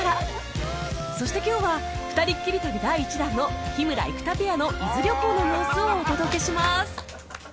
そして今日は『ふたりっきり旅』第１弾の日村・生田ペアの伊豆旅行の様子をお届けします